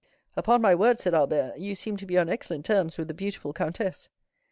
"Upon my word," said Albert, "you seem to be on excellent terms with the beautiful countess."